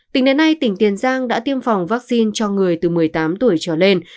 tính đến nay tỉnh tiền giang đã tiêm phòng vaccine cho người từ một mươi tám tuổi trở lên